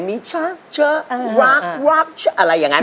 มีชะชะรักรักชะอะไรอย่างนั้น